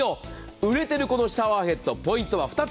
売れてるこのシャワーヘッド、ポイントは２つ！